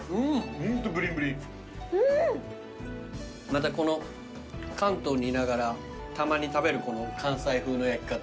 またこの関東にいながらたまに食べるこの関西風の焼き方。